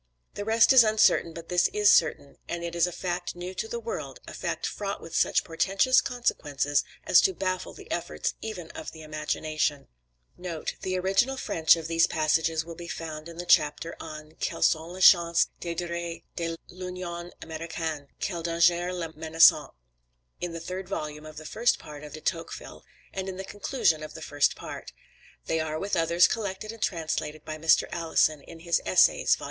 The rest is uncertain, but this is certain; and it is a fact new to the world, a fact fraught with such portentous consequences as to baffle the efforts even of the imagination." [The original French of these passages will be found in the chapter on "Quelles sont les chances de duree de l'Union Americaine Quels dangers la menacent." in the third volume of the first part of De Tocqueville, and in the conclusion of the first part. They are (with others) collected and translated by Mr. Alison, in his "Essays," vol.